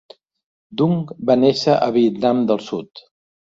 Dung va néixer a Vietnam del sud.